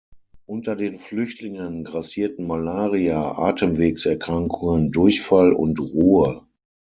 Unter den Flüchtlingen grassierten Malaria, Atemwegserkrankungen, Durchfall und Ruhr.